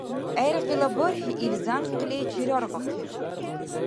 ГӀергъила бархӀи ил зянкъли чераргъахъиб.